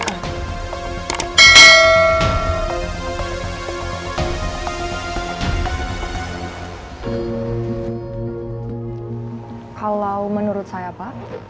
kalau menurut saya pak